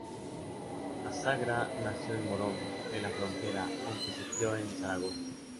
Azagra nació en Morón de la Frontera, aunque se crio en Zaragoza.